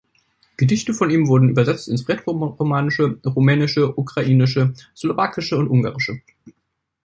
Gedichte von ihm wurden übersetzt ins Rätoromanische, Rumänische, Ukrainische, Slowakische und Ungarische.